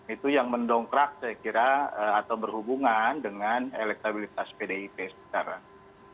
itu yang mendongkrak saya kira atau berhubungan dengan elektabilitas pdip sekarang